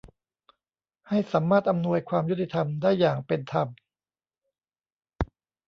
ให้สามารถอำนวยความยุติธรรมได้อย่างเป็นธรรม